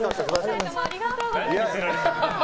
お二人ともありがとうございました。